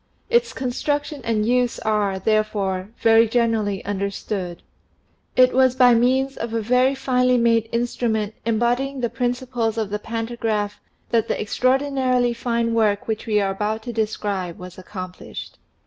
Its construction and use are, therefore, very generally understood. It was by means o{ a very finely made instrument embodying the principles of the pantagraph that the extraordinarily fine work which we are about to describe was accomplished.